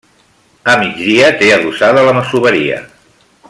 A migdia té adossada la masoveria.